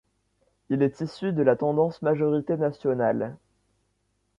Il est issu de la tendance majorité nationale.